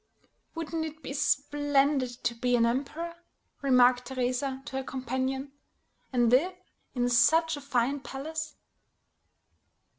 "Wouldn't it be splendid to be an emperor," remarked Teresa to her companion, "and live in such a fine palace?"